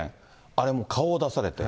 あれも顔を出されて。